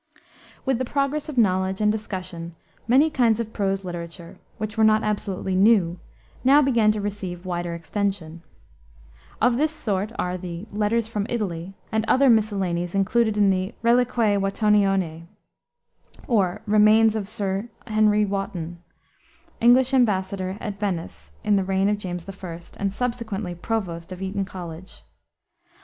With the progress of knowledge and discussion many kinds of prose literature, which were not absolutely new, now began to receive wider extension. Of this sort are the Letters from Italy, and other miscellanies included in the Reliquiae Wottonianae, or remains of Sir Henry Wotton, English embassador at Venice in the reign of James I., and subsequently Provost of Eton College.